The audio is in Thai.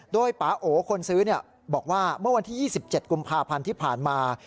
โดยปาโอคนซื้อบอกว่าเมื่อวันที่๒๗กุมภาพันธ์ที่ผ่านมา